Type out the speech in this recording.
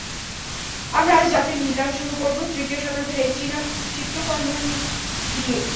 আমরা আজ রাতের নিলাম শুরু করবো, তৃতীয় শতাব্দীর এই চীনা চিত্রকর্মের দিয়ে।